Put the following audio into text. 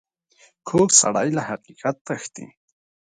کوږ سړی له حقیقت تښتي